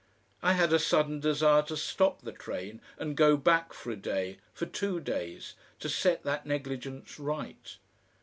I had a sudden desire to stop the train and go back for a day, for two days, to set that negligence right.